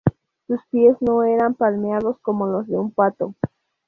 Sus pies no eran palmeados como los de un pato.